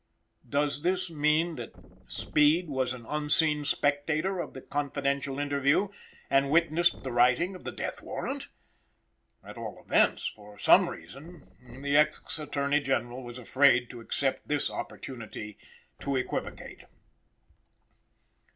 Does this mean that Speed was an unseen spectator of the confidential interview, and witnessed the writing of the death warrant? At all events, for some reason, the ex Attorney General was afraid to accept this opportunity to equivocate.